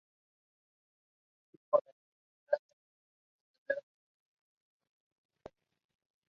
Elytra comparatively broad with prominent shoulders.